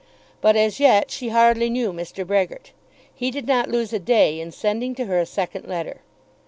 But as yet she hardly knew Mr. Brehgert. He did not lose a day in sending to her a second letter.